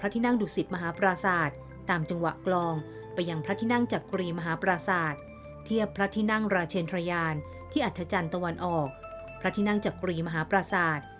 ตามจังหวะกรองไปยังพระทินั่งจากกูรีมหาปราศาสตร์เทียบพระทินั่งราเชนฐรยาลที่อัธจันทรีย์ตะวันออก